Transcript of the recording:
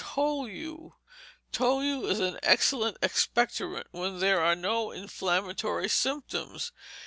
Tolu Tolu is an excellent expectorant, when there are no inflammatory symptoms.